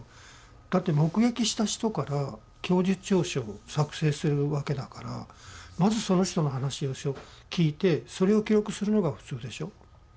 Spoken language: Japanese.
だって目撃した人から供述調書を作成するわけだからまずその人の話を聞いてそれを記録するのが普通でしょ？